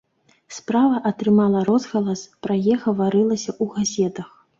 Справа атрымала розгалас, пра яе гаварылася ў газетах.